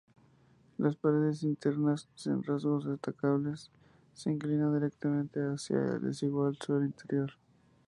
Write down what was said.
Las paredes internas, sin rasgos destacables, se inclinan directamente hacia el desigual suelo interior.